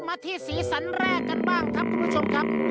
มาที่สีสันแรกกันบ้างครับคุณผู้ชมครับ